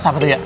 siapa tuh ya